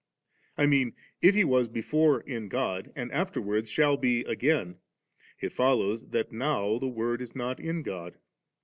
I mean, if He was before in •God, and afterwards shall be again, it follows that now the Word is not in God.